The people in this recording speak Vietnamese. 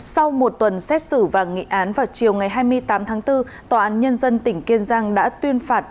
sau một tuần xét xử và nghị án vào chiều ngày hai mươi tám tháng bốn tòa án nhân dân tỉnh kiên giang đã tuyên phạt